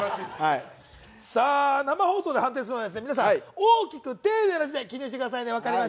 生放送で判定するので皆さん、大きく丁寧な字で記入してくださいね。